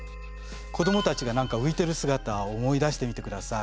子どもたちが浮いてる姿思い出してみてください。